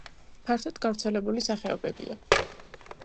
ფართოდ გავრცელებული სახეობებია.